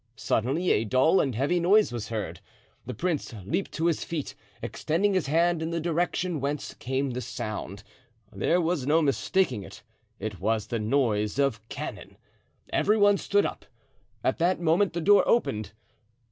Suddenly a dull and heavy noise was heard. The prince leaped to his feet, extending his hand in the direction whence came the sound, there was no mistaking it—it was the noise of cannon. Every one stood up. At that moment the door opened.